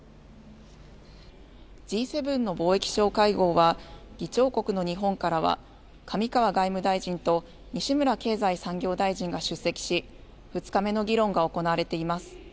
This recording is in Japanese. Ｇ７の貿易相会合は議長国の日本からは上川外務大臣と西村経済産業大臣が出席し２日目の議論が行われています。